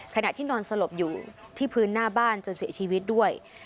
ขณะที่นอนสลบอยู่ที่พื้นหน้าบ้านจนเสียชีวิตด้วย